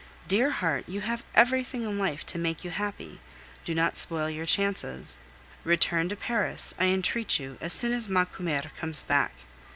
Dear heart, you have everything in life to make you happy, do not spoil your chances; return to Paris, I entreat you, as soon as Macumer comes back.